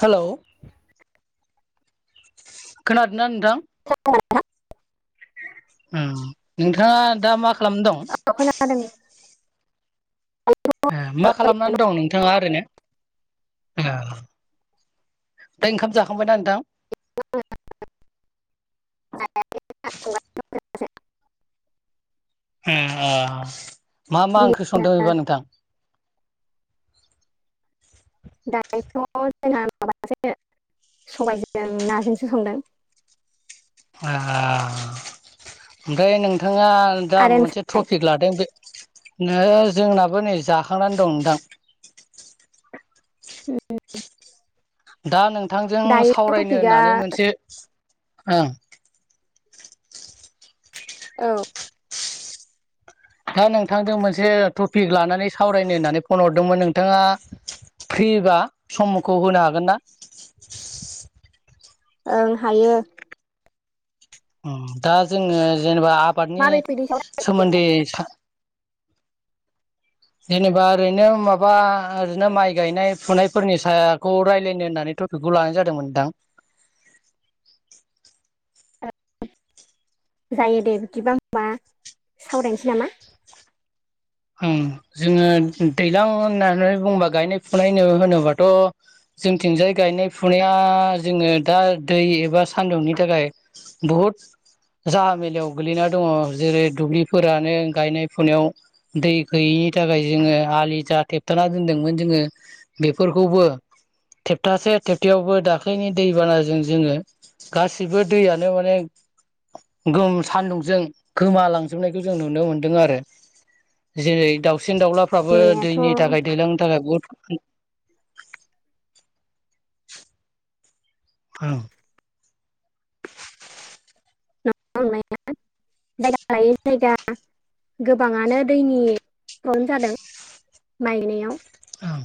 Hello खोनादोंना नोंथां औ औ नोंथाङा दा मा खालामना दं? औ खोनादों। मा खालामनानै ओरैनो दं नोंथाङा ओरैनो? दा ओंखाम जाखांबायना नोंथां? [unintelligible] ए मा मा ओंख्रि दिनै संदों बेबा नोंथां? [inaudible] दायोथ' जोंहा माबासो सबायजों नाजोंसो संदों। ओमफ्राय नोंथाङा दा आरो मोनसे नोंस्रालाय ट्रपिक लादों बे नो जोंनाबो नै जाखांनानै दं नोंथां। दा नोंथांजों दायोथ' सावरायनो टपिकआ होननानै मोनसे ओं औ। दा नोंथांजों मोनसे टपिक लानानै सावरायनो होननानै फन हरदोंमोन नोंथाङा फ्रिबा समखौ होनो हागोन ना। ओं हायो। दा जोङो जेनेबा आबादनि माबे टपिकनि सायाव रायज्लायनो सोमोन्दै जेनेबा ओरैनो माबा ओरैनो माइ गायनाय फुनायफोरनि सायावखौ रायज्लायनो होननानै टपिक खौ लानाय जादोंमोन नोंथां। जायो दे बिदिबां होनबा सावरायनोसै नामा। उम जोङो दैज्लां होननानै बुङोबा गायनाय फुनाय होनोबाथ' जोंथिंजाय गायनाय फुनाया जोङो दा दै एबा सानदुंनि थाखाय बहुद जाहा मेलायाव गोगलैना दङ जेरै दुब्लिफोरानो गायनाय फुनायाव दै गैयिनि थाखाय जोङो आलि जा थेबथाना दोनदोंमोन जोङो बेफोरखौबो थेबथासे थेबथायावबो दाख्लैनि दैबानाजों जोङो गासिबो दैयानो माने गोम सान्दुंजों गोमालांजोबनायखौ जों नुनो मोनदों आरो जेरै दाउसिन दाउलाफ्राबो नुनायाथ' दैनि थाखाय दैज्लांनि थाखाय बहुद [inaudible] औ [inaudible] जायगा लायै जायगा गोबाङानो दैनि प्रब्लेम जादों। माइ गायनायाव औ